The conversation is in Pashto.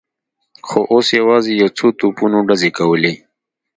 خو اوس یوازې یو څو توپونو ډزې کولې.